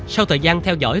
sau thời gian theo dõi